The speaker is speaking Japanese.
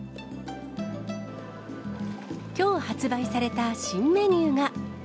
きょう発売された新メニューが。